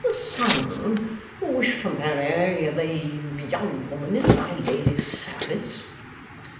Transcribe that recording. "The son who wished to marry the young woman in my Lady's service?"